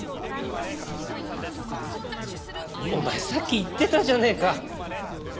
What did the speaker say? お前さっき言ってたじゃねえか。